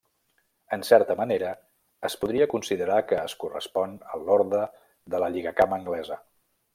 En certa manera, es podria considerar que es correspon a l'Orde de la Lligacama anglesa.